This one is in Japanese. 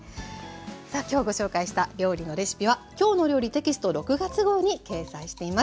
さあ今日ご紹介した料理のレシピは「きょうの料理」テキスト６月号に掲載しています。